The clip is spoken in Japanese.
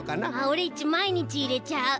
オレっちまいにちいれちゃう。